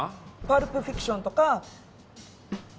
『パルプ・フィクション』とか。